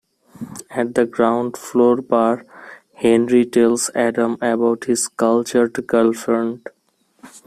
At the ground-floor bar, Henri tells Adam about his cultured girlfriend.